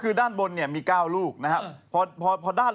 อุ๊ยมีกระดกนะครับ